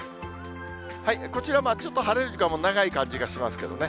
こちら、ちょっと晴れる時間も長い感じがしますけどね。